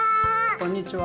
こんにちは。